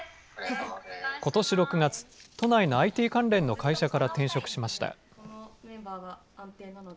ことし６月、都内のＩＴ関連の会社から転職しました。